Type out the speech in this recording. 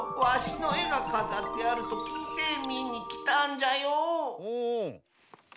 わしのえがかざってあるときいてみにきたんじゃよ。